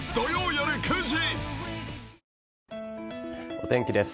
お天気です。